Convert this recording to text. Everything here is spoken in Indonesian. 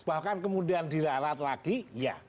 bahkan kemudian diralat lagi ya